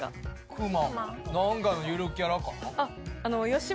なんかのゆるキャラかな？